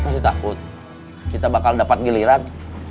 kamu masih takut kita bakal dapat giliran